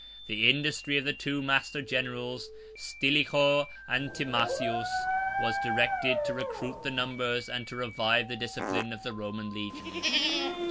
The industry of the two master generals, Stilicho and Timasius, was directed to recruit the numbers, and to revive the discipline of the Roman legions.